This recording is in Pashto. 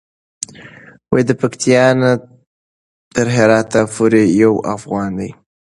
د پکتیا نه تر هراته پورې یو افغان دی.